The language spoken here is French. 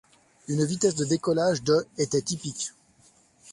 Une vitesse de décollage de était typique.